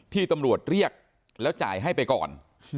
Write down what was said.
ที่ตำรวจเรียกแล้วจ่ายให้ไปก่อน